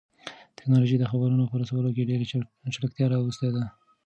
تکنالوژي د خبرونو په رسولو کې ډېر چټکتیا راوستې ده.